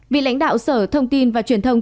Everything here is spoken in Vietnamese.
vị lãnh đạo sở thông tin và truyền thông